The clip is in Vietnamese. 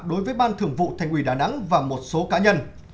đối với ban thường vụ thành ủy đà nẵng và một số cá nhân